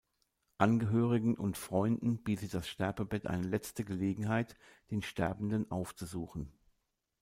Angehörigen und Freunden bietet das Sterbebett eine letzte Gelegenheit, den Sterbenden aufzusuchen.